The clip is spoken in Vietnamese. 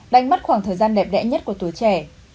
đánh mất khoảng thời gian đẹp đẽ nhất của tuổi trẻ